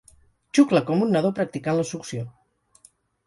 Xucla com un nadó practicant la succió.